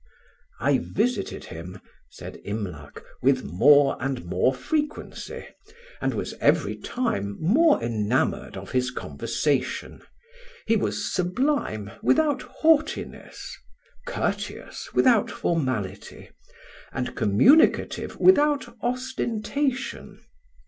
"I visited him," said Imlac, "with more and more frequency, and was every time more enamoured of his conversation; he was sublime without haughtiness, courteous without formality, and communicative without ostentation.